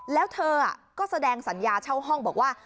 แล้วเธอก็แสดงสัญญาเช่าห้องบอกว่า